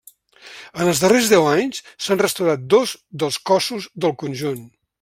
En els darrers deu anys s'han restaurat dos dels cossos del conjunt.